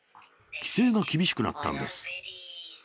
規制が厳しくなったんです。